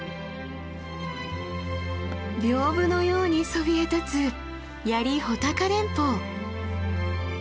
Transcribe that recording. びょうぶのようにそびえ立つ槍・穂高連峰。